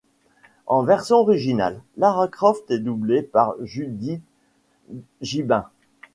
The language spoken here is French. En version originale, Lara Croft est doublée par Judith Gibbins.